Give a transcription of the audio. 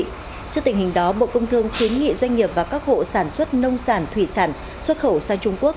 trước tình hình đó bộ công thương khuyến nghị doanh nghiệp và các hộ sản xuất nông sản thủy sản xuất khẩu sang trung quốc